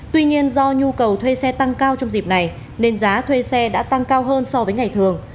tuy nhiên do nhu cầu thuê xe tăng cao trong dịp này nên giá thuê xe đã tăng cao hơn so với ngày thường